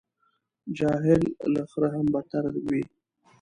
جاهل له خره هم بدتر وي.